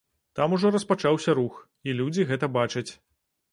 Там ужо распачаўся рух, і людзі гэта бачаць.